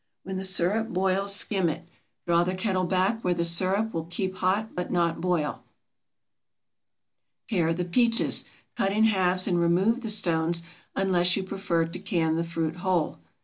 When the sirup boils skim it. Draw the kettle back where the sirup will keep hot but not boil. Pare the peaches, cut in halves, and remove the stones, unless you prefer to can the fruit whole.